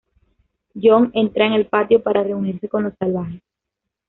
Jon entra en el patio para reunirse con los salvajes.